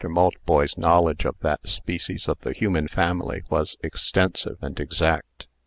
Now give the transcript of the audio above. Maltboy's knowledge of that species of the human family was extensive and exact.